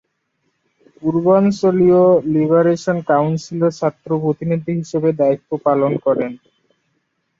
পূর্বাঞ্চলীয় লিবারেশন কাউন্সিলের ছাত্র প্রতিনিধি হিসাবে দায়িত্ব পালন করেন।